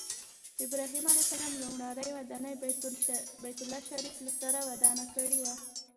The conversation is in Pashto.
ابراهیم علیه السلام لومړنۍ ودانۍ بیت الله شریفه له سره ودانه کړې وه.